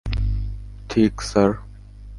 ঠিক, স্যার।